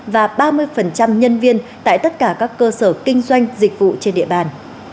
và ba mươi nhân viên tại tất cả các cơ sở kinh doanh dịch vụ trên địa bàn